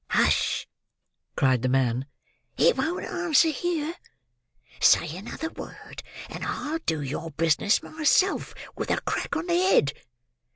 "Hush!" cried the man; "it won't answer here. Say another word, and I'll do your business myself with a crack on the head.